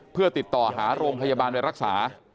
เพื่อติดต่อหาโรงพยาบาลไปรักษา